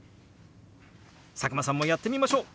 佐久間さんもやってみましょう！